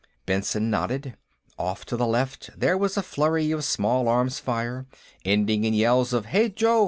Benson nodded. Off on the left, there was a flurry of small arms fire, ending in yells of "Hey, Joe!